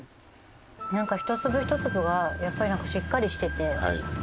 なんか一粒一粒がやっぱりしっかりしてて。